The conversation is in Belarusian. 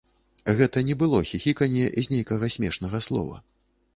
Гэта не было хіхіканне з нейкага смешнага слова.